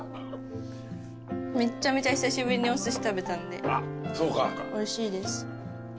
めっちゃめちゃ久しぶりにおすし食べたんでおいしいです。